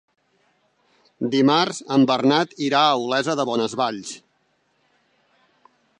Dimarts en Bernat irà a Olesa de Bonesvalls.